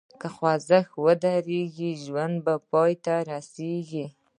که خوځښت ودریږي، ژوند پای ته رسېږي.